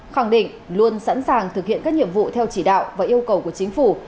khẳng định luôn sẵn sàng thực hiện các nhiệm vụ theo chỉ đạo và yêu cầu của chính phủ